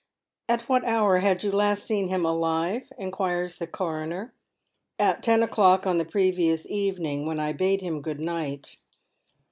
* At what hour had you last seen him alive ?" inquires the coroner. " At ten o'clock on the previous evening, when I bade him good night."